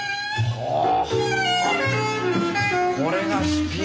はあ。